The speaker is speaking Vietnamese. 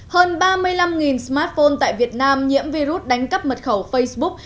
hơn ba mươi năm smartphone tại việt nam nhiễm virus đánh cấp mật khẩu facebook